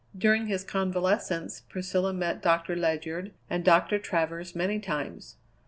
During his convalescence Priscilla met Doctor Ledyard and Doctor Travers many times.